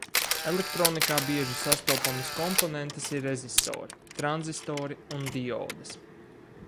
Elektronikā bieži sastopamas komponentes ir rezistori, tranzistori un diodes.